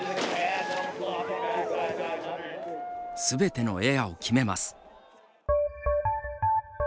すべてのエアを決めます。